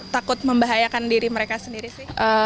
takut membahayakan diri mereka sendiri sih